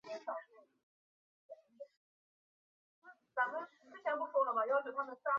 阿姆倍伽尔出生在今印度中央邦姆霍沃。